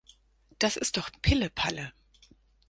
Das ist doch Pillepalle.